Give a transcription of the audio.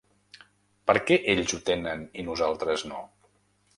Per què ells ho tenen i nosaltres no?